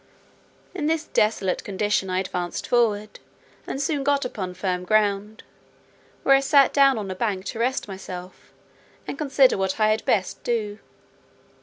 In this desolate condition I advanced forward, and soon got upon firm ground, where I sat down on a bank to rest myself, and consider what I had best do.